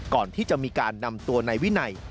ก่อนที่จะมีการนำตัวนายวินัย